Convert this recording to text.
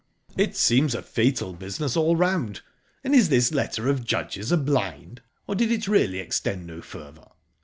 "It seems a fatal business all round. And is this letter of Judge's a blind, or did it really extend no further?"